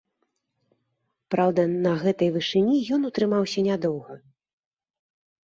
Праўда, на гэтай вышыні ён утрымаўся нядоўга.